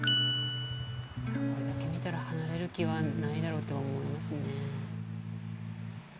いやこれだけ見たら離れる気はないだろうって思いますね。